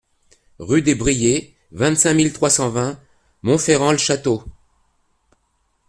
Rue des Brillets, vingt-cinq mille trois cent vingt Montferrand-le-Château